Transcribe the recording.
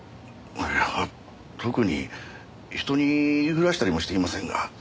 いや特に人に言いふらしたりもしていませんが。